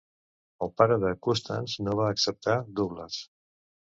El pare de Custance no va acceptar Douglas.